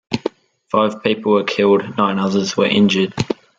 Five people were killed, nine others were injured.